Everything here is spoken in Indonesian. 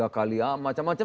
dua tiga kali apa macam macam